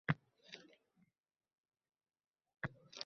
Biz kelgindi emasmiz